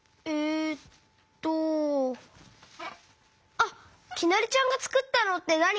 あっきなりちゃんがつくったのってなに？